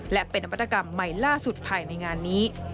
และเป็นนวัตกรรมใหม่ล่าสุดภายในงานนี้